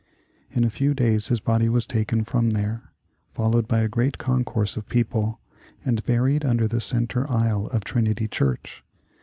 In a few days his body was taken from there, followed by a great concourse of people, and buried under the centre aisle of Trinity Church.